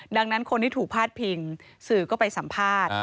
ดังนั้นคนที่ถูกพาดพิงสื่อก็ไปสัมภาษณ์